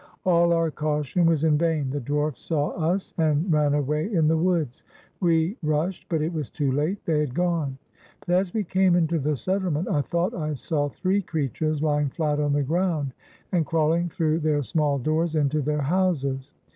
All our caution was in vain. The dwarfs saw us, and ran away in the woods. We rushed, but it was too late; they had gone. But as we came into the settlement I thought I saw three creatures lying flat on the ground, and crawhng through their small doors into their houses.